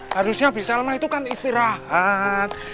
harusnya bisalma itu kan istirahat